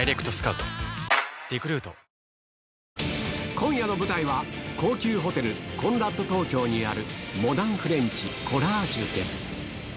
今夜の舞台は、高級ホテル、コンラッド東京にあるモダンフレンチ、ＣＯＬＬＡＧＥです。